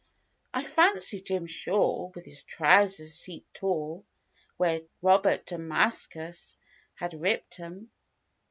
I fancy Jim Shore, with his trousers seat tore. Where Robert Damascus had ripped 'em.